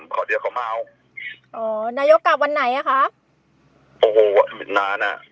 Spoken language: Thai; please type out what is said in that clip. ขอเดี๋ยวเขามาเอานายกกลับวันในอะอ่ะค่ะนานอ่ะ